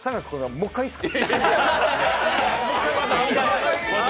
もう１回いいですか。